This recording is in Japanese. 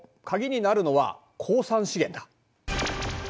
鍵になるのは鉱産資源だ。